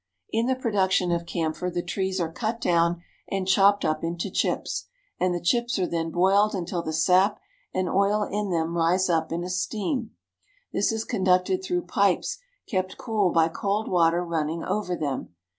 In the production of camphor the trees are cut down and chopped up into chips, and the chips are then boiled until the sap and oil in them rise up in a steam. This is conducted through pipes kept cool by cold water running over them.